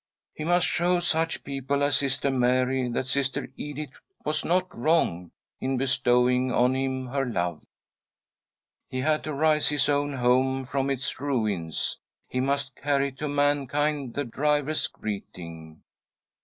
He must show such people as Sister Mary that Sister Edith was not wrong in bestowing on him her love ; he had to raise his own home from its ruins, he must carry to. mankind the driver's greeting.